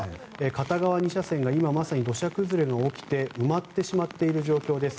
片側２車線が今まさに土砂崩れが起きて埋まってしまっている状況です。